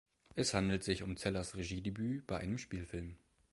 Es handelt sich um Zellers Regiedebüt bei einem Spielfilm.